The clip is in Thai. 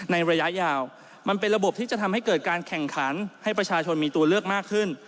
ระยะยาวมันเป็นระบบที่จะทำให้เกิดการแข่งขันให้ประชาชนมีตัวเลือกมากขึ้น